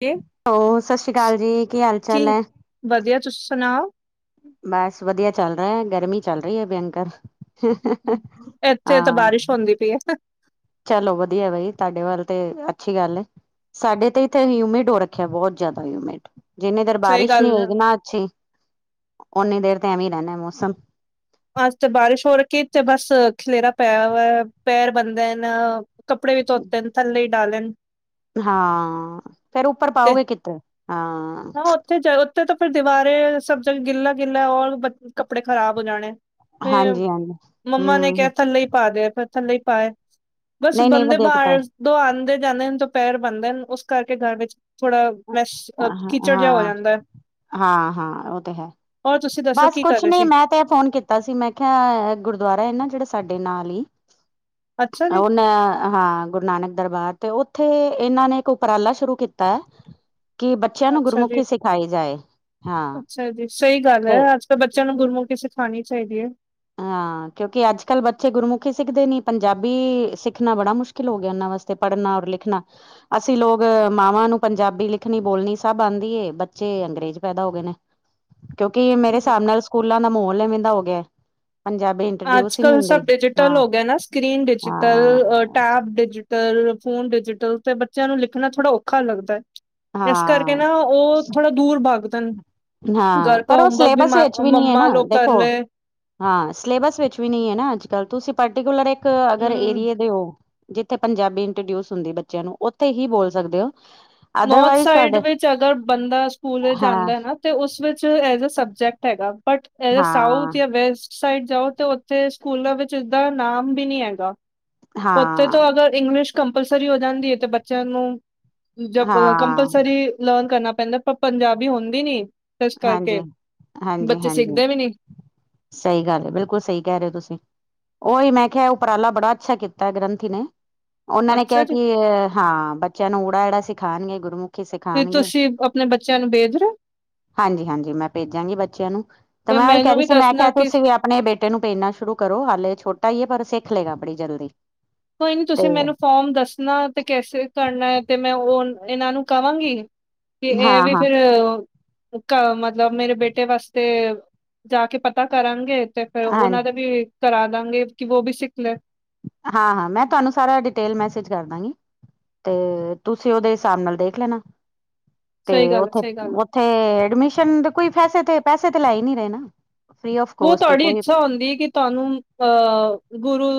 ਕੇ ਹੋ ਸਤਿ ਸ੍ਰੀ ਅਕਾਲ ਜੀ ਕੀ ਹਾਲ ਚਾਲ ਹੈ ਵਧੀਆ, ਤੁਸੀ ਸੁਣਾਓ ਬਸ ਵਧੀਆ ਚੱਲ ਰਿਹਾ ਹੈ। ਗਰਮੀ ਚੱਲ ਰਹੀ ਹੈ, ਭਿਅੰਕਰ ਹਾਂ ਚੌਦੀ ਪਈ ਹੈਂ ਚਲੋ ਵਧੀਆ, ਬਈ ਤੁਹਾਡੇ ਵੱਲ ਤੇ ਅੱਛੀ ਗੱਲ ਏ ਸਾਡੇ ਤੇ ਇੱਥੇ ਹਿਊਮਿਡ ਹੋ ਰੱਖਿਆ, ਬਹੁਤ ਜ਼ਿਆਦਾ ਹਿਊਮਿਡ ਜਿੰਨੀ ਦੇਰ ਸਹੀ ਬਾਰਿਸ਼ ਨਹੀਂ ਨਾ ਗੱਲ ਹੈ। ਹੋਏਗੀ, ਨਾ ਅੱਛੀ ਓਨੀ ਦੇਰ ਤੇ ਐਵੇਂ ਰਹਿੰਦਾ ਮੌਸਮ ਅੱਜ ਤੇ ਬਾਰਿਸ਼ ਹੋ ਰਖੀ, ਤੇ ਬਸ ਖਲੇਰਾ ਪਿਆ ਵਾ ਪੈਰ ਬਣਦਾ ਨਾ ਕੱਪੜੇ ਵੀ ਧੋਤੇ ਨ ਥੱਲੇ ਹੀ ਡਾਲੈ ਨ ਹਾਂ ਫੇਰ ਉੱਪਰ ਪਾਓਗੇ, ਕਿੱਥੋਂ ਹਾਂ ਉੱਤੇ ਤਾਂ ਫਿਰ ਦੀਵਾਰੇ ਸਭ ਜਗਾ ਗਿੱਲਾ- ਗਿੱਲਾ ਉਪਰ ਕੱਪੜੇ ਖ਼ਰਾਬ ਹੋ ਜਾਣੇ ਹਮ, ਹਾਂਜੀ ਹਾਂਜੀ ਮੰਮਾ ਨੇ ਹਮ ਕਿਹਾ ਥੱਲੇ ਹੀ ਪਾ ਦੇ ਫਿਰ ਥੱਲੇ ਹੀ ਪਾਏ ਬਸ ਨਹੀਂ ਨਹੀਂ ਬੰਦੇ ਵਧੀਆ ਕੀਤਾ ਬਾਹਰ ਤੋਂ ਆਉਂਦੇ ਜਾਂਦੇ ਨੇ, ਤੇ ਪੈਰ ਬਣਦੇ ਉਸ ਕਰਕੇ ਘਰ ਵਿੱਚ ਥੋੜਾ ਮੈਸ਼ ਅ ਕੀਚੜ ਜਿਹਾ ਹੋ ਹਾਂ ਜਾਂਦਾ ਹੈ। -ਹਾਂ, ਹਾਂ ਉਹ ਤੇ ਹੈ ਔਰ ਤੁਸੀਂ ਦੱਸੋ ਬਸ ਕੀ ਕਰ ਕੁਛ ਰਹੇ ਨਹੀਂ ਸੀ? ਮੈਂ ਮੈ ਤਾਂ ਫੋਨ ਕੀਤਾ ਸੀ ਮੈਂ ਕਿਹਾ, ਗੁਰਦੁਆਰਾ ਹੈ ਨਾ ਜਿਹੜੇ ਸਾਡੇ ਨਾਲ ਹੀ ਅੱਛਾ ਜੀ, ਉਹ ਨਾ ਹਾਂ, ਗੁਰੂ ਨਾਨਕ ਦਰਬਾਰ ਤੇ ਉੱਥੇ ਇਹਨਾਂ ਨੇ ਇੱਕ ਉਪਰਾਲਾ ਸ਼ੁਰੂ ਕੀਤਾ ਐ ਕਿ ਬੱਚਿਆਂ ਨੂੰ, ਅੱਛਾ ਜੀ, ਗੁਰਮੁਖੀ ਸਿਖਾਈ ਜਾਏ ਹਾਂ ਅੱਛਾ ਜੀ ਸਹੀ ਗੱਲ ਤੇ ਹੈ, ਅੱਜ ਕੱਲ ਬੱਚਿਆਂ ਨੂੰ ਗੁਰਮੁਖੀ ਸਿਖਾਣੀ ਚਾਹੀਦੀ ਹੈ ਹਾਂ, ਕਿਉਂਕਿ ਅੱਜ ਕੱਲ੍ਹ ਬੱਚੇ ਗੁਰਮੁਖੀ ਸਿੱਖਦੇ ਨੀ। ਪੰਜਾਬੀ ਸਿੱਖਣਾ ਬੜਾ ਮੁਸ਼ਕਿਲ ਹੋ ਗਿਆ, ਇਨ੍ਹਾਂ ਵਾਸਤੇ ਪੜ੍ਹਨਾ, ਔਰ ਲਿਖਣਾ। ਅਸੀਂ, ਲੋਕ ਮਾਵਾਂ ਨੂੰ ਪੰਜਾਬੀ ਲਿਖਣੀ, ਬੋਲਣੀ ਸਭ ਆਂਦੀ ਏ। ਬੱਚੇ ਅੰਗਰੇਜ਼ ਪੈਦਾ ਹੋ ਗਏ ਨੇ। ਕਿਉਂਕਿ, ਮੇਰੇ ਹੂੰ। ਹਿਸਾਬ ਨਾਲ ਸਕੂਲਾਂ ਦਾ ਮਾਹੌਲ ਐਵੇ ਦਾ ਹੋ ਗਿਆ। ਪੰਜਾਬ [inaudible] ਅੱਜ ਕਲ ਸਭ ਡਿਜੀਟਲ ਹੋ ਗਿਆ ਨਾ, ਸਕਰੀਨ ਡਿਜੀਟਲ। ਹਾਂ ਟੈਬ ਡਿਜੀਟਲ, ਫੋਨ ਡਿਜੀਟਲ ਤੇ ਬੱਚਿਆਂ ਨੂੰ ਲਿਖਣਾ ਥੋੜਾ ਔਖਾ ਲੱਗਦਾ ਹੈ। ਇਸ ਕਰਕੇ ਹਾਂ ਨਾ, ਉਹ ਥੋੜ੍ਹਾ ਦੂਰ ਭਗਦੇ ਨ ਹਾਂ, ਪਰ ਉਹ ਸਿਲੇਬਸ ਵਿੱਚ ਵੀ ਨਹੀਂ ਹੈ ਮੰਮਾ ਨਾ ਲੋਗ ਕਰ ਦੇਖੋ। ਲੇ, ਹਾਂ, ਸਿਲੇਬਸ ਵਿੱਚ ਵੀ ਨਹੀਂ ਹੈ ਨਾ ਅੱਜਕੱਲ, ਤੁਸੀਂ ਪਰਟੀਕੁਲਰ ਇੱਕ ਅਗਰ ਹੂੰ। ਏਰੀਏ ਦੇ ਹੋ। ਜਿੱਥੇ, ਪੰਜਾਬੀ ਇੰਟਰੋਡਿਊਸ ਹੁੰਦੀ ਬੱਚਿਆਂ ਨੂੰ, ਉੱਥੇ ਹੀ ਬੋਲ ਸਕਦੇ ਹੋ। ਨੋੌਰਥ, ਅਦਰਵਾਈਜ਼ ਸਾਈਡ ਤੁਹਾਡੇ ਵਿੱਚ ਅਗਰ ਬੰਦਾ ਸਕੂਲ ਵਿੱਚ ਹਾਂ, ਜਾਂਦਾ ਹੈ ਨਾ ਤੇ ਉਸ ਵਿੱਚ ਐਜ ਆ ਸਬਜੈਕਟ ਹੈਗਾ, ਬਟ ਐ ਹਾਂ, ਸਾਊਥ ਆ ਵੈਸਟ ਉਸ ਸਾਈਡ ਜਾਓ ਤੇ, ਉੱਥੇ ਸਕੂਲਾਂ ਵਿੱਚ ਇਦਾ ਨਾਮ ਵੀ ਨੀ ਹੈਗਾ ਉੱਥੇ ਹਾਂ, ਤੋਂ ਅਗਰ ਇੰਗਲਿਸ਼ ਕੰਪਲਸਰੀ ਹੋ ਜਾਂਦੀ ਹੈ। ਅਤੇ ਬੱਚਿਆਂ ਨੂੰ ਜਬ ਹਾਂ, ਕੰਪਲਸਰੀ ਲਰਨ ਕਰਨਾ ਪੈਂਦਾ, ਪਰ ਪੰਜਾਬੀ ਹੁੰਦੀ ਨੀ। ਇਸ ਕਰਕੇ, ਹਾਂਜੀ। ਬੱਚੇ ਹਾਂਜੀ-ਹਾਂਜੀ, ਸਿੱਖਦੇ ਵੀ ਨੀ। ਸਹੀ ਗੱਲ ਹੈ, ਬਿਲਕੁਲ ਸਹੀ ਕਹਿ ਰਹੇ ਹੋ ਤੁਸੀਂ। ਉਹੀ ਮੈਂ ਕਿਹਾ, ਉਪਰਾਲਾ ਬੜਾ ਅੱਛਾ ਕੀਤਾ ਗ੍ਰੰਥੀ ਨੇ। ਉਹਨਾਂ ਨੇ ਅੱਛਾ ਕਿਹਾ, ਜੀ ਕਿ ਹਾਂ ਬੱਚਿਆਂ ਨੂੰ ਓ, ਅ ਸਿਖਾਉਣਗੇ ਗੁਰਮੁਖ। ਫਿਰ ਤੁਸੀਂ, ਆਪਣੇ ਬੱਚਿਆਂ ਨੂੰ ਭੇਜ ਰਹੇ ਹੋ? ਹਾਂਜੀ -ਹਾਂਜੀ ਮੈਂ ਭੇਜਾਂਗੀ ਬੱਚਿਆਂ ਨੂੰ, ਤੇ ਫਿਰ ਮੈਂ ਉਹੀ ਕਹਿ ਮੈਨੂੰ ਰਹੀ ਵੀ ਸੀ ਮੈਂ ਦੱਸਣਾ ਕਿਹਾਹਿ ਤੁ ਕਿ ਸੀ ਵੀ ਆਪਣੇ ਬੇਟੇ ਨੂੰ ਭੇਜਨਾ ਸ਼ੁਰੂ ਕਰੋ। ਹਾਲੇ ਛੋਟਾ ਈ ਹੈ, ਪਰ ਸਿੱਖ ਲਏਗਾ ਬੜੀ ਜਲਦੀ। ਕੋਈ ਨੀ, ਤੇ ਤੁਸੀਂ ਮੈਨੂੰ ਫੋਮ ਦੱਸਣਾ ਤੇ ਕੈਸੇ ਕਰਨਾ ਹੈ, ਤੇ ਮੈਂ ਉਹ ਇਹਨਾਂ ਨੂੰ ਕਵਾਂਗੀ। ਤੇ ਇਹ ਵੀ ਹਾਂ-ਹਾਂ, ਫਿਰ ਮਤਲਬ, ਮੇਰੇ ਬੇਟੇ ਵਾਸਤੇ ਜਾ ਕੇ ਪਤਾ ਕਰ ਆਣਗੇ। ਤੇ ਫਿਰ ਹਾਂ, ਉਹਨਾਂ ਦਾ ਵੀ ਕਰਾ ਦਾਂਗੇ ਕਿ ਉਹ ਵੀ ਸਿੱਖ ਲਏ। ਹਾਂ -ਹਾਂ, ਮੈਂ ਤੁਹਾਨੂੰ ਸਾਰਾ ਡਿਟੇਲ ਮੈਸੇਜ ਕਰਦਾਂਗੀ। ਤੇ ਤੁਸੀਂ, ਉਹਦੇ ਹਿਸਾਬ ਨਾਲ ਦੇਖ ਲੈਣਾ, ਤੇ ਸਹੀ ਗੱਲ ਹੈ ਉੱਥੇ ਸਹੀ ਗੱਲ ਹੈ ਤੇ ਐਡਮਿਸ਼ਨ ਦੇ ਕੋਈ ਵੈਸੇ ਤੇ ਪੈਸੇ ਤੇ ਲੈ ਹੀ ਨੀ ਰਹੇ ਨਾ। ਫ੍ਰਰੀ ਆਫ ਉਹ ਕੋਸਟ ਹੈ ਤੁਹਾਡੀ ਕੋਈ ਇੱਛਾ ਹੁੰਦੀ ਹੈ, ਕਿ ਤੁਹਾਨੂੰ ਅਹ ਗੁਰੂ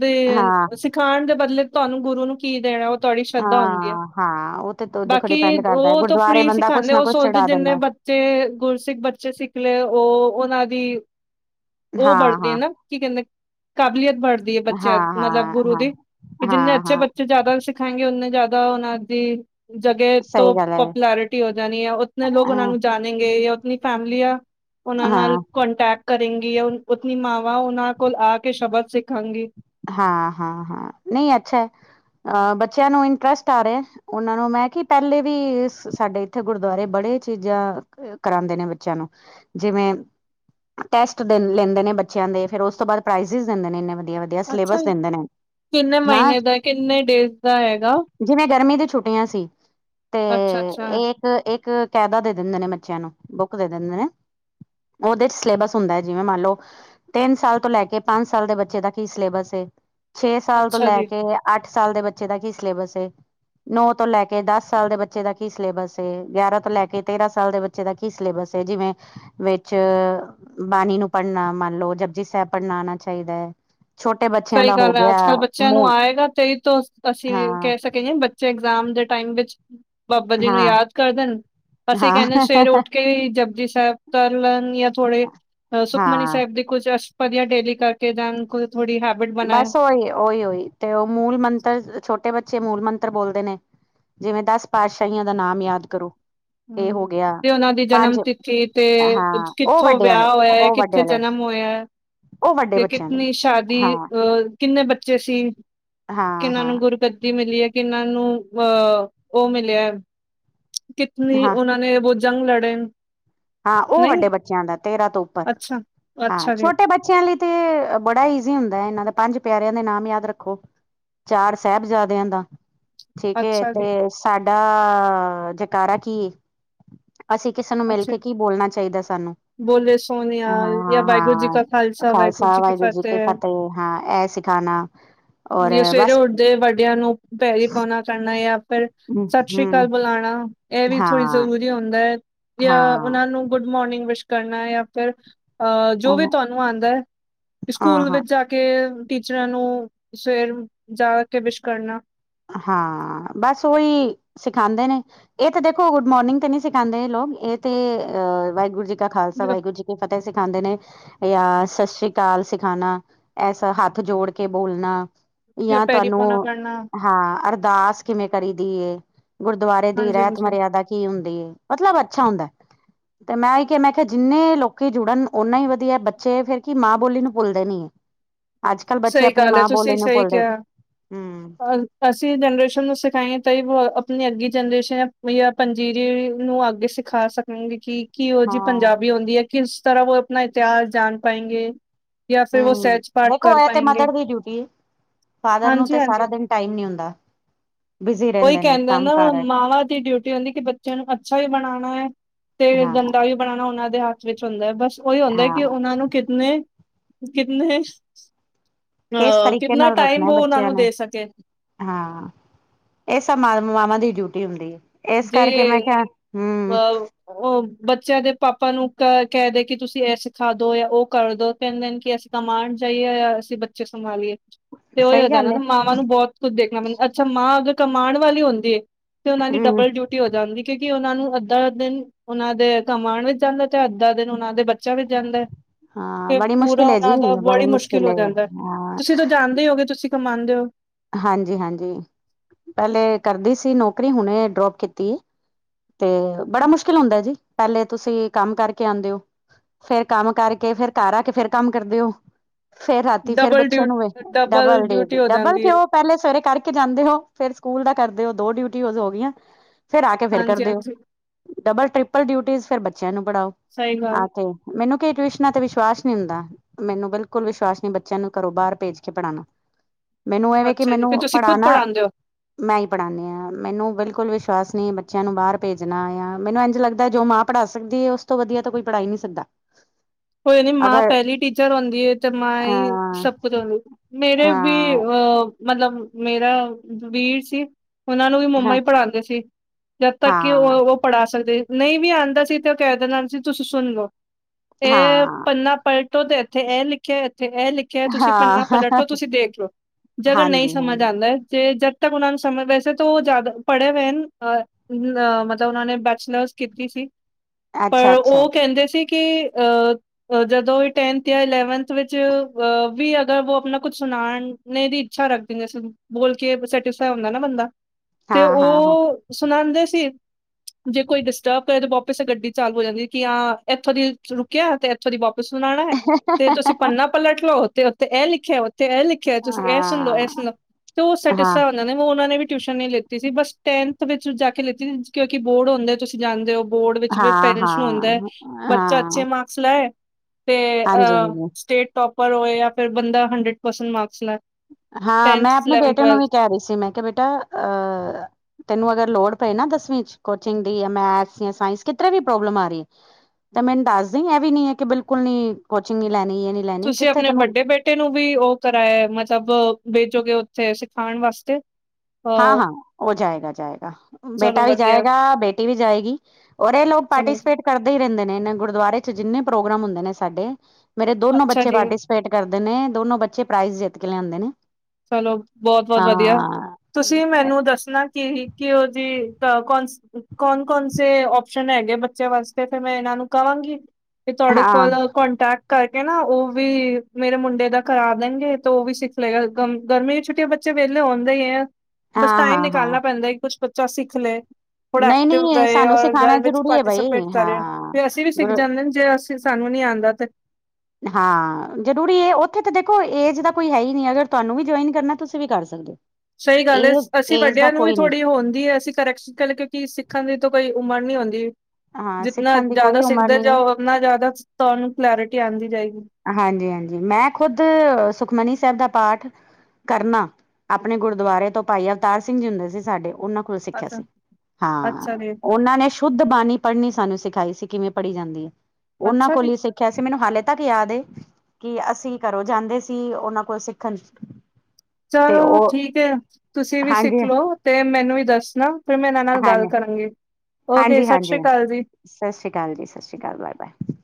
ਦੇ ਹਾਂ, [unintelligible] ਖਾਣ ਦੇ ਬਦਲੇ ਤੁਹਾਨੂੰ ਗੁਰੂ ਨੂੰ ਕਿ ਦੇਣਾ? ਤੁਹਾਡੀ ਸ਼ਰਧਾ ਹੁੰਦੀ ਆ। ਹਾਂ, ਹਾਂ ਉਹ ਤੇ ਦੇਖੋ ਡਿਪੈਂਡ ਬਾਕੀ ਕਰਦਾ ਹੈ ਉਹ ਤਾਂ ਗੁਰਦੁਆਰੇ ਫ੍ਰਰੀ ਬੰਦਾ ਕੁਛ ਸਿਖਾਂਦੇ ਨਾ ।ਉਹ ਕੁਛ ਸੋਚਦੇ ਚੜਾ ਜਿੰਨੇ ਦਿੰਦਾ ਬਚ ਤੇ ਗੁਰਸਿੱਖ ਬੱਚੇ ਸਿੱਖ ਲਏ। ਉਹ ਉਹਨਾਂ ਦੀ ਉਹ ਵੜਦੇ ਹੈ ਹਾਂ-ਹਾਂ, ਨਾ ਕਿ ਕਹਿੰਦੇ? ਕਾਬਲੀਅਤ ਵੜਦੀ ਹੈ, ਬੱਚਿਆਂ ਮਤਲਬ ਹਾਂ-ਹਾਂ, ਗੁਰੂ ਹਾਂ, ਦੀ, ਕਿ ਜਿੰਨੇ ਅੱਛੇ ਹਾਂ-ਹਾਂ ਬੱਚੇ ਜ਼ਿਆਦਾ ਸਿ, ਉਹਨੇ ਜ਼ਿਆਦਾ ਉਹਨਾਂ ਦੀ ਜਗੇ ਤੋਂ ਸਹੀ ਗੱਲ ਹੈ। ਪੋਪੂਲੈਰਿਟੀ ਹੋ ਜਾਣੀ ਹੈ ।ਉਤਨੇ ਲੋਕ ਉਹਨਾਂ ਨੂੰ ਜਾਣੇਗੇ ਜਾਂ ਉਤਨੀ ਫੈਮਲੀ ਆ। ਉਹਨਾਂ ਨਾਲ ਹਾਂ, ਕੰਟੈਕਟ ਕਰੇਗੀ, ਉਤਨੀ ਮਾਵਾਂ ਉਹਨਾਂ ਕੋਲ ਆ ਕੇ ਸ਼ਬਦ ਸਿੱਖਾਂਗੀ। ਹਾਂ- ਹਾਂ- ਹਾਂ ਨਹੀਂ ਅੱਛਾ ਹੈ, ਬੱਚਿਆਂ ਨੂੰ ਇੰਟਰਸਟ ਆ ਰਿਹਾ ਹੈ । ਉਹਨਾਂ ਨੂੰ ਮੈਂ ਕਿ, ਪਹਿਲੇ ਵੀ ਸਾਡੇ ਇੱਥੇ ਗੁਰਦੁਆਰੇ ਬੜੇ ਚੀਜ਼ਾਂ ਕਰਾਉਂਦੇ ਨੇ ਬੱਚਿਆਂ ਨੂੰ, ਜਿਵੇਂ- ਟੈਸਟ ਲੈਂਦੇ ਨੇ ਬੱਚਿਆਂ ਦੇ ।ਫਿਰ ਉਸ ਤੋਂ ਬਾਅਦ ਪ੍ਰਾਈਜਜ਼ ਦਿੰਦੇ ਨੇ, ਇੰਨੇ ਵਧੀਆ- ਵਧੀਆ। ਅੱਛਾ ਸਿਲੇਬਸ ਜੀ, ਦਿੰਦੇ ਨੇ ਕਿੰਨੇ ਹਾਂ ਮਹੀਨੇ ਦਾ ਕਿੰਨੇ ਡੇਜ ਦਾ ਹੈਗਾ? ਜਿਵੇਂ, ਗਰਮੀ ਦੀ ਛੁੱਟੀਆਂ ਸੀ, ਤੇ ਅੱਛਾ ਅੱਛਾ ਇੱਕ -ਇੱਕ। ਕਾਇਦਾ ਦੇ ਦਿੰਦੇ ਨੇ ਬੱਚਿਆਂ ਨੂੰ, ਬੁੱਕ ਦੇ ਦਿੰਦੇ ਨੇ। ਉਹਦੇ ਚ ਸਿਲੇਬਸ ਹੁੰਦਾ ਹੈ। ਜਿਵੇਂ-ਮੰਨ ਲਓ ਤਿੰਨ ਸਾਲ ਤੋਂ ਲੈ ਕੇ ਪੰਜ ਸਾਲ ਦੇ ਬੱਚੇ ਦਾ ਕੀ ਸਿਲੇਬਸ ਛੇ ਸਾਲ ਤੋਂ ਅੱਛਾ ਲੈ ਜੀ ਕੇ ਅੱਠ ਸਾਲ ਦੇ ਬੱਚੇ ਦਾ ਕੀ ਸਿਲੇਬਸ ਹੈ। ਨੌ ਤੋਂ ਲੈ ਕੇ ਦਸ ਸਾਲ ਦੇ ਬੱਚੇ ਦਾ ਕੀ ਸਿਲੇਬਸ ਹੈ। ਗਿਆਰਾਂ ਤੋਂ ਲੈ ਕੇ ਤੇਰਾਂ ਸਾਲ ਦੇ ਬੱਚੇ ਦਾ ਕੀ ਸਿਲੇਬਸ ਹੈ। ਜਿਵੇਂ- ਵਿੱਚ ਬਾਣੀ ਨੂੰ ਪੜ੍ਹਨਾ ਮੰਨ ਲਓ। ਜਪਜੀ ਸਾਹਿਬ ਪੜ੍ਹਨਾ ਆਉਣਾ ਚਾਹੀਦਾ ਹੈ। ਸਹੀ ਗੱਲ ਹੈ। ਅੱਜ ਕੱਲ੍ਹ ਬੱਚਿਆਂ ਨੂੰ ਮੂਲ ਆਏਗਾ ਤੇਹੀ ਤੋਂ ਅਸੀਂ ਵੀ ਹਾਂ, ਕਹਿ ਸਕਦੇ ਕਈ ਬੱਚੇ ਇਗਜ਼ਾਮ ਦੇ ਟਾਈਮ ਵਿੱਚ ਬਾਬਾ ਜੀ ਨੂੰ ਹਾਂ, ਯਾਦ ਕਰ ਦੇਣ। ਅਸੀਂ ਹਾਂ, ਕਹਿੰਦੇ-ਸਵੇਰ ਉੱਠ ਕੇ ਜਪਜੀ ਸਾਹਿਬ ਕਰ ਲੇਣ ਜਾਂ ਥੋੜੇ ਅਹ ਸੁਖਮਨੀ ਹਾਂ। ਸਾਹਿਬ ਦੇ ਕੁਝ ਅਸ਼ਪਦੀਆਂ ਡੇਲੀ ਕਰਕੇ ਜਾਨ ਕੋਈ ਥੋੜੀ ਹ ਬਸ ਓਹੀ ਏ, ਓਹੀ ਈ, ਓਈ ਤੇ ਉਹ ਮੂਲ- ਮੰਤਰ, ਛੋਟੇ ਬੱਚੇ ਮੂਲ-ਮੰਤਰ ਬੋਲਦੇ ਨੇ ਜਿਵੇਂ-ਦਸ ਪਾਤਸ਼ਾਹੀਆਂ ਦਾ ਨਾਮ ਯਾਦ ਕਰੋ। ਇਹ ਹੋ ਹਮ ਗਿਆ। ਤੇ ਉਹਨਾਂ ਦੀ ਜਨਮ ਪੰਜ ਤਿਥੀ ਤੇ ਹਾਂ ਉਹ ਕਿੱਥੋਂ ਵੱਡਿਆਂ ਦੇ ਵਿਆਹ ਹੋਇਐਯ ਉਹ ਵੱਡੇ ਉਥੇ ਆਲੇ ਜਨਮ ਹੋਇਆ, ਉਹ ਵੱਡੇ ਕਿ ਬੱਚਿਆਂ ਲਈ ਕਿਤਨੀ ਸ਼ਾਦੀ ਹਾਂ, ਅ ਕਿੰਨੇ ਬੱਚੇ ਸੀ? ਹਾਂ, ਕਿਨਾਂ ਹਾਂ, ਨੂੰ ਗੁਰਗੱਦੀ ਮਿਲੀ ਹੈ? ਕਿਨਾਂ ਨੂੰ ਅਹ ਉਹ ਮਿਲਿਆ ਹੈ। ਕਿਤਨੀ ਹਾਂ। ਉਹਨਾਂ ਨੇ ਵੋ ਜੰਗ ਲੜੇ । ਹਾਂ, ਉਹ ਵੱਡੇ ਬੱਚਿਆਂ ਦਾ ਤੇਰਾਂ ਤੋਂ ਉੱਪਰ। ਅੱਛਾ, ਹਾਂ, ਅੱਛਾ ਜੀ, ਛੋਟੇ ਬੱਚਿਆਂ ਲਈ ਤੇ ਬੜਾ ਈਜ਼ੀ ਹੁੰਦਾ ਹੈ ਇਹਨਾਂ ਦਾ। ਪੰਜ ਪਿਆਰਿਆਂ ਦੇ ਨਾਮ ਯਾਦ ਰੱਖੋ। ਚਾਰ ਸਾਹਿਬਜ਼ਾਦਿਆਂ ਦਾ। ਠੀਕ ਏ, ਅੱਛਾ ਜੀ, ਤੇ ਸਾਡਾ ਜੇਕਾਰਾ ਕੀ ਅਸੀਂ ਕਿਸੇ ਨੂੰ ਮਿਲ ਅੱਛਾ। ਕੇ ਕੀ ਬੋਲਣਾ ਚਾਹੀਦਾ ਸਾਨੂੰ ਬੋਲੇ ਸੋਨਿਆ ਹਾਂ। ਜਾਂ ਵਾਹਿਗੁਰੂ ਜੀ ਕਾ ਹਾਂ। ਖਾਲਸਾ ਵਾਹਿਗੁਰੂ ਜੀ ਕੀ ਫਤਿਹ। ਹਾਂ ਇਹ ਸਿੱਖ । ਖਾਣਾ। ਵੀਰ ਸਵੇਰੇ ਉੱਠਦੇ ਵੱਡਿਆਂ ਨੂੰ ਪੈਰੀ ਪਾਉਣਾ ਕਰਨਾ ਜਾਂ ਫਿਰ ਹਮ ਸਤਿ ਸ੍ਰੀ ਅਕਾਲ ਹਮ ਬੁਲਾਉਣਾ। ਇਹ ਵੀ ਥੋੜ੍ਹੀ ਹਾਂ ਜ਼ਰੂਰੀ ਹੁੰਦਾ ਹੈ। ਜਾਂ ਹਾਂ ਉਹਨਾ ਨੂੰ ਗੁੱਡ ਮੋਰਨਿੰਗ ਵਿਸ਼ ਕਰਨਾ ਜਾਂ ਫਿਰ ਅਹ, ਜੋ ਵੀ ਤੁਹਾਨੂੰ ਆਉਂਦਾ ਹੈ। ਹਾਂ ਸਕੂਲ ਹਾਂ ਵਿੱਚ ਜਾ ਕੇ ਟੀਚਰਾਂ ਨੂੰ ਸਵੇਰ ਜਾ ਕੇ ਵਿਸ਼ ਕਰਨਾ। ਹਾਂ ਬਸ ਉਹੀ ਸਿਖਾਉਦੇ ਨੇ ਇਹ ਤੇ ਦੇਖੋ ਗੁੱਡ ਮੋਰਨਿੰਗ ਤੇ ਨੀ ਸਿਖਾਉਦੇ। ਲੋਕ ਇਹ ਤੇ ਅਹ ਵਾਹਿਗੁਰੂ ਜੀ ਕਾ ਖਾਲਸਾ, ਜਾਂ ਵਾਹਿਗੁਰੂ ਜੀ ਫਤਿਹ ਸਿਖਾਉਂਦੇ ਨੇ ਜਾਂ ਸਤਿ ਸ੍ਰੀ ਅਕਾਲ ਸਿਖਾਣਾ। ਐਸਾ ਹੱਥ ਜੋੜ ਕੇ ਬੋਲਣਾ। ਜਾਂ ਯਾਂ ਪੈਰੀ ਤੁਹਾਨੂੰ ਪੌਣਾ । ਕਰਨਾ ਹਾਂ । ਅਰਦਾਸ ਕਿਵੇਂ ਕਰੀ ਦੀ ਏ। ਗੁਰਦੁਆਰੇ ਦੀ ਹਾਂਜੀ, ਰਹਿਤ ਹਾਂਜੀ। ਮਰਿਆਦਾ । ਕੀ ਹੁੰਦੀ ਹੈ? ਮਤਲਬ ਅੱਛਾ ਹੁੰਦਾ ਐ। ਤੇ ਮੈਂ ਹੀ ਕਿ ਮੈਂ ਕਿਹਾ ਜਿੰਨੇ ਲੋਕੀ ਜੁੜਨ ਉਹਨਾ ਹੀ ਵਧੀਆ ਬੱਚੇ ਫਿਰ ਕੀ ਮਾਂ ਬੋਲੀ ਨੂੰ ਭੁੱਲਦੇ ਨੀ। ਅੱਜ ਕੱਲ ਬੱਚੇ ਸਹੀ ਆਪਣੀ ਗੱਲ ਹੈ ਮਾਂ ਬੋਲੀ ਤੁਸੀਂ ਨੂੰ ਸਹੀ ਭੁੱਲਦੇ। ਕਿਹਾ। ਹਮ । ਅ ਅਸੀਂ ਜਨਰੇਸ਼ਨ ਨੂੰ ਸਿਖਾਈਏ ਤਾਂ ਆਪਣੀ ਅੱਗੀ ਜਨਰੇਸ਼ਨ ਜਾਂ ਪੰਜੀਰੀ ਨੂੰ ਅੱਗੇ ਸਿਖ। ਖਾ ਸਕਣਗੇ ਕਿ । ਕਿਹੋ ਜਿਹੀ ਹਾਂ ਪੰਜਾਬੀ ਆਉਂਦੀ ਹੈ? ਕਿਸ ਤਰ੍ਹਾਂ ਉਹ ਆਪਣਾ ਇਤਿਹਾਸ ਜਾਣ ਪਾਏਗੇ? ਜਾਂ ਫਿਰ ਉਹ ਸਹਿਜ ਪਾਠ। ਕਰ ਹੋਇਆ ਤੇ ਪਾਏਂਗੇ ਮਦਰ ਦੀ ਡਿਊਟੀ। ਫਾਦਰ ਨੂੰ ਹਾਂਜੀ ਤੇ ਹਾਂਜੀ ਸਾਰਾ ਦਿਨ ਟਾਈਮ ਨੀ ਹੁੰਦਾ। ਬਿਜ਼ੀ ਉਹੀ ਰਹਿੰਦੇ ਨੇ ਕਹਿੰਦੇ ਕੰਮ ਨਾ ਕਾਰ ਮਾਵਾਂ ਦੀ ਡਿਊਟੀ ਹੁੰਦੀ ਕਿ ਬੱਚਿਆਂ ਨੂੰ ਅੱਛਾ ਵੀ ਬਣਾਉਣਾ ਹੈ । ਤੇ ਹਾਂ, ਬੰਦਾ ਵੀ ਬਣਾਉਣਾ ਉਹਨਾਂ ਦੇ ਹੱਥ ਵਿੱਚ ਹੁੰਦਾ ਹੈ। ਬਸ ਉਹੀ ਹੁੰਦਾ ਹੈ ਕਿ ਹਾਂ। ਉਹਨਾਂ ਨੂੰ ਕਿਤਨੇ । ਕਿਤਨੇ। ਕਿਸ ਅਹ ਤਰੀਕੇ ਕਿਤਨਾ ਨਾਲ ਟਾਈਮ ਰੱਖਣਾ ਉਹ ਉਹਨਾਂ ਬੱਚਿਆਂ ਨੂੰ ਦੇ ਸਕੇ । ਹਾਂ। ਇਹ ਸਭ ਮਾਂ ਮਾਵਾਂ ਦੀ ਡਿਊਟੀ ਹੁੰਦੀ ਹੈ। ਇਸ ਕਰਕੇ ਜੇ ਮੈਂ ਕਿਹਾ ਅ, ਹਮਮ । ਉਹ ਬੱਚਿਆਂ ਦੇ ਪਾਪਾ ਨੂੰ ਕਹਿ ਦੇ ਕਿ ਤੁਸੀਂ ਇਹ ਸਿਖਾ ਦੋ ਜਾਂ ਉਹ ਕਰਦੋ। ਕਹਿੰਦੇ ਨੇ ਕਿ ਅਸੀਂ । ਕਮਾਣ ਜਾਈਏ ਜਾਂ ਅਸੀਂ ਬੱਚੇ ਸੰਭਾਲੀਏ । ਤੇ ਉਹੀ ਸਹੀ ਹੁੰਦਾ ਗੱਲ ਏ ਮਾਵਾਂ ਨੂੰ ਬਹੁਤ ਕੁੱਝ ਦੇਖਣਾ ਪੈਂਦਾ। ਅੱਛਾ ਮਾਂ ਅਗਰ ਕਮਾਉਣ ਵਾਲੀ ਹੁੰਦੀ। ਤੇ ਉਹਨਾਂ ਦੀ ਹੂੰ। ਡਬਲ। ਡਿਊਟੀ ਹੋ ਜਾਂਦੀ ਕਿਉਂਕਿ ਉਹਨਾਂ ਨੂੰ ਅੱਧਾ ਦਿਨ ਉਹਨਾਂ ਦੇ ਕਮਾਉਣ ਵਿੱਚ ਜਾਂਦਾ ਤੇ ਅੱਧਾ ਦਿਨ ਉਹਨਾਂ ਦੇ ਬੱਚੇ। ਬੱਚਿਆਂ ਵਿੱਚ ਜਾਂਦਾ ਹਾਂ, ਤੇ ਬੜੀ ਮੁਸ਼ਕਿਲ ਪੂਰਾ ਏ ਉਹਨਾਂ ਜੀ ਦਾ ਬੜੀ ਮੁਸ਼ਕਿਲ ਹੋ ਏ ਜਾਂਦਾ। ਹਾਂ, ਤੁਸੀਂ ਤੇ ਜਾਣਦੇ। ਹੋ ਗਏ। ਤੁਸੀਂ ਕਮਾਉਂਦੇ ਹੋ? ਹਾਂ ਜੀ ਹਾਂ ਜੀ ਪਹਿਲੇ ਕਰਦੀ ਸੀ ਨੌਕਰੀ। ਹੁਣੇ ਡਰੋਪ ਕੀਤੀ। ਤੇ ਬੜਾ ਮੁਸ਼ਕਿਲ ਹੁੰਦਾ ਜੀ। ਪਹਿਲੇ ਤੁਸੀਂ ਕੰਮ ਕਰਕੇ ਆਉਂਦੇ ਹੋ। ਫਿਰ ਕੰਮ ਕਰਕੇ, ਫਿਰ ਘਰ ਆ ਕੇ ਫਿਰ ਕੰਮ ਕਰਦੇ ਹੋ। ਫਿਰ ਰਾਤੀ ਫਿਰ ਡਬਲ ਡਿਊ ਬੱਚਿਆਂ ਨੂੰ ਵੇਖ। ਡਬਲ ਡਿਊਟੀ ਡੇਟ ਹੋ ਡਬਲ। ਜਾਂਦੀ ਹੈ ਕਿਉਂ ਪਹਿਲੇ ਸਵੇਰੇ ਕਰਕੇ ਜਾਂਦੇ ਹੋ। ਫਿਰ ਸਕੂਲ ਦਾ ਕਰਦੇ ਹੋ। ਦੋ ਡਿਊਟੀ ਉਦੀਆ ਹੋ ਗਈਆਂ। ਫਿਰ ਆ ਕੇ ਫਿਰ ਹਾਂਜੀ ਕਰਦੇ ਹੋ। ਹਾਂਜੀ ਡਬਲ ਟ੍ਰਿਪਲ ਡਿਊਟੀਜ਼ ਫਿਰ ਬੱਚਿਆਂ ਨੂੰ ਪੜ੍ਹਾਓ ਸਹੀ ਗੱਲ ਆ ਕੇ । ਮੈਨੂੰ ਕਿ ਟਿਊਸ਼ਨਾਂ ਤੇ ਵਿਸ਼ਵਾਸ ਨਹੀਂ ਹੁੰਦਾ। ਮੈਨੂੰ ਬਿਲਕੁਲ ਵਿਸ਼ਵਾਸ ਨਹੀਂ ਬੱਚਿਆਂ ਨੂੰ ਘਰੋਂ ਬਾਹਰ ਭੇਜ ਕੇ ਪੜ੍ਹਾਉਣਾ। ਮੈਨੂੰ ਇਹ ਵੇਂ ਕਿ ਅੱਛਾ ਜੀ, ਮੈਨੂੰ ਫਿਰ ਤੁਸੀਂ ਖੁਦ ਪੜ੍ਹਾਣਾ ਪੜ੍ਹਾਉਂਦੇ ਹੋ? । ਮੈਂ ਹੀ ਪੜਾਉਂਨੀ ਹਾਂ। ਮੈਨੂੰ ਬਿਲਕੁਲ ਵਿਸ਼ਵਾਸ ਨਹੀਂ ਬੱਚਿਆਂ ਨੂੰ ਬਾਹਰ ਭੇਜਣਾ ਆ। ਮੈਨੂੰ ਇੰਝ ਲੱਗਦਾ ਜੋ ਮਾਂ। ਪੜ੍ਹਾ ਸਕਦੀ। ਉਸ ਤੋਂ ਵਧੀਆ ਤਾਂ ਕੋਈ ਪੜ੍ਹਾ ਹੀ ਨਹੀਂ ਸਕਦਾ। ਕੋਈ ਨੀ ਮਾਂ ਅਗਰ ਪਹਿਲੀ ਟੀਚਰ ਹੁੰਦੀ ਹੈ ਤੇ ਮਾਂ ਹੀ ਅਹ ਸਭ ਕੁਝ ਹੁੰਦੀ ਮੇਰੇ ਵੀ। ਅਹ ਮਤਲਬ ਮੇਰਾ ਵੀਰ ਸੀ। ਉਹਨਾਂ ਨੂੰ ਵੀ ਮੰਮਾ ਹਾਂ ਹੀ ਪੜ੍ਹਾਉਂਦੇ ਸੀ। ਜਦ ਤੱਕ ਕਿ ਉਹ ਹਾਂ ਉਹ ਪੜ੍ਹਾ ਸਕਦੇ। ਨਹੀਂ ਵੀ ਆਉਂਦਾ ਸੀ ਤੇ ਉਹ ਕਹਿ ਦਿਨਾ ਸੀ ਤੁਸੀਂ ਸੁਣ ਲਓ। ਇਹ ਹਾਂ ਪੰਨਾ ਪਲਟੋ ਤੇ ਇੱਥੇ ਇਹ ਲਿਖਿਆ। ਇੱਥੇ ਇਹ ਲਿਖਿਆ। ਜੇ ਤੁਸੀਂ ਹਾਂ, ਪੰਨਾ ਪਲਟੋ। ਤੁਸੀਂ ਦੇਖ ਲੋ ਜਦੋਂ ਨਹੀਂ ਹਾਂਜੀ ਸਮਝ ਹਾਂਜੀ, ਆਉਂਦਾ ਜੇ। ਤ ਸਮੇਂ ਵੈਸੇ ਤਾਂ ਉਹ ਜ਼ਿਆਦਾ ਪੜੇ ਹੋਏ ਹਨ। ਮਤਲਬ ਉਹਨਾਂ ਨੇ ਬੈਚਲਰਸ ਕੀਤੀ ਸੀ ਪਰ ਅੱਛਾ ਅੱਛਾ। ਉਹ ਕਹਿੰਦੇ ਸੀ ਕੀ ਅ [unintelligible] ਜਦੋਂ ਇਹ ਟੈਨਥ ਜਾਂ ਇਲੇਵਨਥ ਵਿੱਚ ਵੀ ਅਗਰ ਆਪਣਾ ਕੁੱਝ ਸੁਣਾਉਣ। ਇਵੇਂ ਦੀ ਇੱਛਾ ਰੱਖ ਦਿੰਦੇ ਅ ਬੋਲ ਕੇ ਸੈਟਿਸਫਾਈ ਹੁੰਦਾ ਨਾ ਬੰਦਾ ਤੇ ਹਾਂ ਉਹ ਹਾਂ ਹਾਂ, । ਸੁਣਾਉਂਦੇ ਸੀ । ਜੇ ਕੋਈ ਡਿਸਟਰਬ ਕਰੇ ਤਾਂ ਵਾਪਿਸ ਗੱਡੀ ਚਾਲੂ ਹੋ ਜਾਂਦੀ ਕਿ ਆ ਇੱਥੋਂ ਦੀ। ਕਿਹਾ ਤੇ ਇੱਥੋਂ ਦੀ ਵਾਪਿਸ ਸੁਣਾਉਣਾ ਹੈ ਤੇ ਤੁਸੀਂ ਪੰਨਾ ਪਲਟ ਲਓ ਤੇ ਉੱਥੇ ਇਹ ਲਿਖਿਆ। ਉੱਥੇ ਇਹ ਲਿਖਿਆ। ਕਹਿ ਤੁਸੀਂ ਹਾਂ ਇਹ ਸੁਣ ਲਓ। ਇਹ ਸੁਣ ਲੋ ਤੇ ਉਹ ਹਾਂ। ਸੇਟੀਸਫਾਈ ਹੁੰਦੇ ਨੇ ਉਹਨਾਂ ਨੇ ਵੀ ਟਿਊਸ਼ਨ ਨਹੀਂ ਲਿੱਤੀ ਸੀ। ਬੱਸ ਟੈਨਥ ਵਿੱਚ ਜਾ ਕੇ ਲਿਤੀ ਸੀ ਕਿਉਂਕਿ ਬੋਰਡ ਹੁੰਦੇ ਤੁਸੀਂ। ਜਾਂਦੇ ਹੋ। ਬੋਰਡ ਵਿੱਚ ਵੀ ਹਾਂ ਹਾਂ, ਪੇਰੈਂਟਸ ਨੂੰ ਹੁੰਦਾ ਹੈ ਬੱਚਾ । ਹਾਂ ਹਾਂਜੀ ਹਾਂਜੀ, ਤੇ [unintelligible] ਟੋਪਰ ਹੋਏ ਜਾਂ ਫਿਰ ਬੰਦਾ ਹੰਡਰਡ ਪਰਸੈਂਟ ਮਾਰਕਸ ਲੈ ਹਾਂ ਮੈਂ ਆਪਣੇ ਬੇਟੇ ਨੂੰ ਵੀ ਕਹਿ ਰਹੀ ਸੀ ਮੈਂ ਕਿਹਾ ਬੇਟਾ ਅਹ ਤੈਨੂੰ ਅਗਰ ਲੋੜ ਪਏ ਨਾ ਦਸਵੀਂ ਚ ਕੋਚਿੰਗ ਦੀ ਮੈਥ ਜਾਂ ਸਾਇੰਸ ਕਿ ਵੀ ਪ੍ਰੋਬਲਮ ਆ ਰਹੀ ਹੈ ਤਾਂ ਮੈਨੂੰ ਦੱਸ ਦੇਂਈ ਇਹ ਵੀ ਨੀ ਹੈ ਕਿ ਬਿਲਕੁਲ ਨੀ ਕੋਚਿੰਗ ਹੀ ਲੈਣੀ ਹੈ ਤੁਸੀਂ ਆਪਣੇ ਵੱਡੇ ਬੇਟੇ ਬਟੇ ਨੂੰ ਵੀ ਉਹ ਕਰਾਆ ਮੱਤਲਬ ਭੇਜੋਂਗੇ ਉੱਥੇ ਸਿਖਾਉਣ ਵਾਸਤੇ ਹਾਂ ਹਾਂ ਉਹ ਜਾਏਗਾ ਜਾਏਗਾ ਬੇਟਾ ਚਲੋ ਵੀ ਵਧੀਆ ਜਾਏਗਾ ਬੇਟੀ ਵੀ ਜਾਏਗੀ ਔਰ ਇਹ ਲੋਕ ਚਲੋ ਪਾਰਟੀਸਪੇਟ ਕਰਦੇ ਹੀ ਰਹਿੰਦੇ ਨੇ ਇਹ ਗੁਰਦੁਆਰੇ ਚ ਜਿੰਨੇ ਪ੍ਰੋਗਰਾਮ ਹੁੰਦੇ ਨੇ ਸਾਡੇ ਮੇਰੇ ਦੋਨੋ ਅੱਛਾ ਬੱਚੇ ਜੀ ਪਾਰਟੀ ਪੇਟ ਕਰਦੇ ਨੇ ਦੋਨੋ ਬੱਚੇ ਪ੍ਰਾਈਜ਼ ਜਿੱਤ ਕੇ ਲਿਆਂਦੇ ਨੇ ਚਲੋ ਬਹੁਤ ਬਹੁਤ ਹਾਂ ਵਧੀਆ ਤੁਸੀਂ ਮੈਨੂੰ ਦੱਸਣਾ ਕੀ ਕਿ ਉਹ ਜ ਕ [unintelligible] ਕੌਣ ਕੌਣ ਸੇ ਓਪਸ਼ਨ ਹੈਗੇ ਬੱਚਿਆਂ ਵਾਸਤੇ ਤੇ ਮੈਂ ਇਹਨਾਂ ਨੂੰ ਕਹਾਂਗੀ ਥੋੜੇ ਹਾਂ ਕੋਲ ਕੋਂਟੈਕਟ ਕਰਕੇ ਨਾ ਉਹ ਵੀ ਮੇਰੇ ਮੁੰਡੇ ਦਾ ਕਰਾ ਦੇਣਗੇ ਤੇ ਉਹ ਵੀ ਸਿੱਖ ਲਏਗਾ ਗਮ ਗਰਮੀ ਛੁੱਟੀਆਂ ਬੱਚੇ ਵਿਹਲੇ ਆਉਂਦੇ ਹੀ ਹੈ ਬੱਸ ਹਾਂ ਟਾਈਮ ਹਾਂ ਹਾਂ ਨਿਕਾਲਣਾ ਪੈਂਦਾ ਹੈ ਕੁੱਛ ਬੱਚਾ ਸਿੱਖ ਲੈ ਥੋੜਾ ਨਹੀਂ ਐਕਟਿਵ ਨਹੀਂ ਰਹੇ ਸਾਨੂੰ ਔਰ ਸਿਖਾਉਣਾ ਘਰ ਵਿੱਚ ਜ਼ਰੂਰੀ ਹੈ ਬਾਈ ਪਾਰਟੀਸਪੇਟ ਹਾਂ ਕਰੇ ਅਸੀਂ ਵੀ ਸਿੱਖ ਗੁਰ ਜਾਂਦੇ ਜੇ ਸਾਨੂੰ ਨੀ ਆਉਂਦਾ ਤੇ ਹਾਂ ਜ਼ਰੂਰੀ ਉੱਥੇ ਤਾਂ ਦੇਖੋ ਏਜ ਦਾ ਕੋਈ ਹੈ ਹੀ ਨਹੀਂ ਅਗਰ ਤੁਹਾਨੂੰ ਵੀ ਜੁਆਇਨ ਕਰਨਾ ਤੁਸੀਂ ਵੀ ਕਰ ਸਕਦੇ [inaudible] ਸਹੀ ਗੱਲ ਹੈ ਇਹ ਅਸੀਂ ਏਜ ਦਾ ਵੱਡਿਆਂ ਨੂੰ ਵੀ ਕੋਈ ਨੀ ਥੋੜੀ ਹਣਦੀ ਹੈ ਅਸੀਂ ਕਰੈਕਸ਼ਨ ਕ ਕਿਉਂਕਿ ਸਿੱਖਣ ਦੀ ਤਾਂ ਕੋਈ ਉਮਰ ਨਹੀਂ ਹੁੰਦੀ ਹਾਂ ਜਿਤਨਾ ਸਿੱਖਣ ਦੀ ਜ਼ਿਆਦਾ ਕੋਈ ਉਮਰ ਸਿੱਖਦੇ ਨਹੀਂ ਹੈ ਜਾਓ ਨਾ ਜ਼ਿਆਦਾ ਤੁਹਾਨੂੰ ਕਲੈਰਿਟੀ ਆਉਂਦੀ ਜਾਏਗੀ ਹਾਂਜੀ ਹਾਂਜੀ ਮੈਂ ਖੁਦ ਸੁਖਮਨੀ ਸਾਹਿਬ ਦਾ ਪਾਠ ਕਰਨਾ ਆਪਣੇ ਗੁਰਦੁਆਰੇ ਤੋਂ ਭਾਈ ਅਵਤਾਰ ਸਿੰਘ ਜੀ ਹੁੰਦੇ ਸੀ ਸਾਡੇ ਉਹਨਾਂ ਸਕਲ ਸਿੱਖਿਆ ਅੱਛਾ, ਸੀ ਹਾਂ ਅੱਛਾ ਜੀ, ਉਹਨਾਂ ਨੇ ਸ਼ੁੱਧ ਬਾਣੀ ਪੜਨੀ ਸਾਨੂੰ ਸਿਖਾਈ ਸੀ ਕਿਵੇਂ ਪੜ੍ਹੀ ਜਾਂਦੀ ਹੈ ਉਹਨਾਂ ਅੱਛਾ ਕੋਲ ਜੀ, ਹੀ ਸਿੱਖਿਆ ਸੀ ਮੈਨੂੰ ਹਾਲੇ ਤੱਕ ਦ ਕਿ ਅਸੀਂ ਘਰੋਂ ਜਾਂਦੇ ਸੀ ਉਹਨਾਂ ਕੋਲ ਸਿੱਖਣ ਤੇ ਚਲੋ ਉਹ ਠੀਕ ਹੈ ਤੁਸੀਂ ਵੀ ਹਾਂਜੀ ਸਿੱਖਲਓ ਤੇ ਮੈਨੂੰ ਵੀ ਦੱਸਣਾ ਫਿਰ ਮੈਂ ਇਹਨਾਂ ਨਾਲ ਗੱਲ ਹਾਂਜੀ ਕਰਾਂਗੀ ਉਕੇ ਹਾਂਜੀ ਸਤਿ ਸ੍ਰੀ ਹਾਂਜੀ ਅਕਾਲ ਜੀ ਸਤਿ ਸ਼੍ਰੀ ਅਕਾਲ ਜੀ ਸਤਿ ਸ਼੍ਰੀ ਅਕਾਲ ਬਾਏ ਬਾਏ